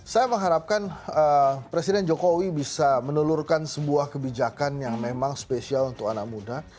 saya mengharapkan presiden jokowi bisa menelurkan sebuah kebijakan yang memang spesial untuk anak muda